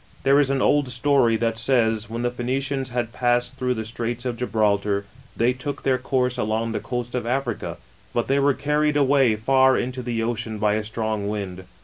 There :^ an old story that says, when the Phoenicians nad passed through the Straits of Gibraltar, tney took their course along the coast of Africa; but tluy were carried away far into the iceni by a strong wind.